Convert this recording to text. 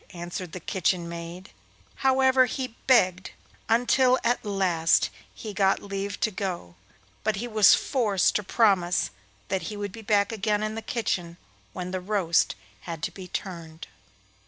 answered the kitchen maid. However, he begged until at last he got leave to go, but he was forced to promise that he would be back again in the kitchen when the roast had to be turned.